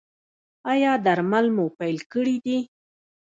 ایا درمل مو پیل کړي دي؟